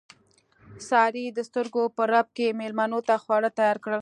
سارې د سترګو په رپ کې مېلمنو ته خواړه تیار کړل.